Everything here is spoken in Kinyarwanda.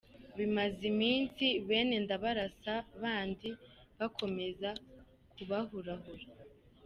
Bimaze iminsi bene Ndabarasa bandi bakomeza kubahurahura.